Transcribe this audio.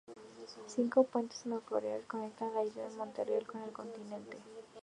Cinco puentes ferroviarios conectan la isla de Montreal con el continente.